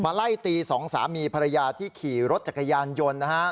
ไล่ตีสองสามีภรรยาที่ขี่รถจักรยานยนต์นะฮะ